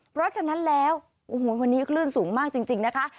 เพราะฉะนั้นแล้วโอ้โหวันนี้คลื่นสูงมากจริงนะคะ